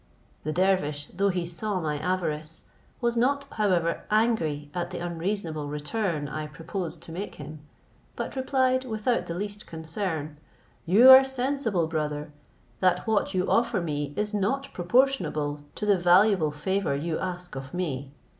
The dervish, though he saw my avarice, was not however angry at the unreasonable return I proposed to make him, but replied without the least concern, "You are sensible, brother, that what you offer me is not proportionable to the valuable favour you ask of me.